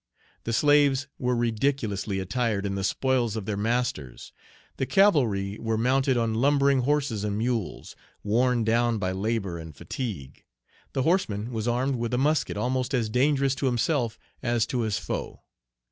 The slaves were ridiculously attired in the Page 55 spoils of their masters. The cavalry were mounted on lumbering horses and mules, worn down by labor and fatigue. The horseman was armed with a musket almost as dangerous to himself as to his foe.